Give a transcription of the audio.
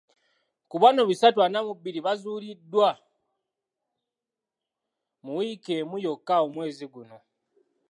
Ku bano bisatu ana mu bbiri bazuuliddwa mu wiiki emu yokka omwezi guno.